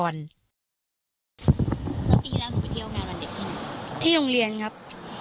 แล้วปีแล้วเขาไปเที่ยวงานวันเด็กที่ไหนที่โรงเรียนครับ